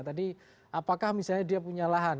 tadi apakah misalnya dia punya lahan